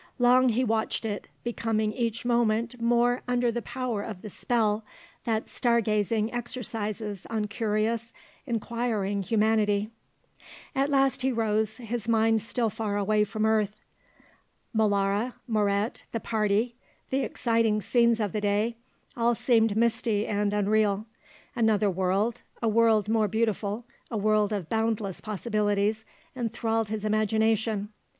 Long he watched it, becoming each moment more under the power of the spell that star gazing exercises on curious, inquiring humanity. At last he rose, his mind still far away from earth. Molara, Moret, the Party, the exciting scenes of the day, all seemed misty and unreal; another world, a world more beautiful, a world of boundless possibilities, enthralled his imagination.